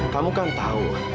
kamu kan tahu